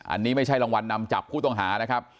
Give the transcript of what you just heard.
อันนี้ไม่ใช่รางวัลนำจับผู้ต้องหานะครับ